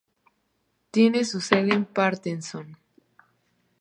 Tiene su sede en Paterson.